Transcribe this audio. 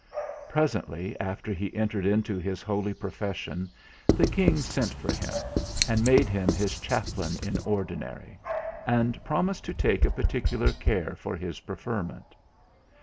Presently after he entered into his holy profession, the King sent for him, and made him his Chaplain in Ordinary, and promised to take a particular care for his preferment.